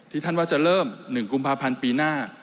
ท่านว่าจะเริ่ม๑กุมภาพันธ์ปีหน้า